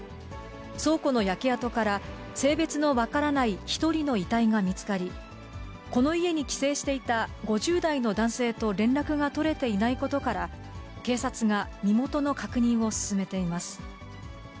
倉庫の焼け跡から、性別の分からない１人の遺体が見つかり、この家に帰省していた５０代の男性と連絡が取れていないことから、警察が身元の確認を進めています。